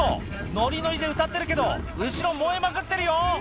ノリノリで歌ってるけど後ろ燃えまくってるよ！